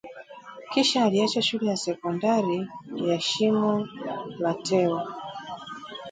Kisha aliacha shule ya Sekondari ya Shimo la Tewa